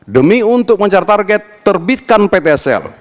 demi untuk mencar target terbitkan ptsl